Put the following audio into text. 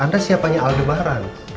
anda siapanya aldebaran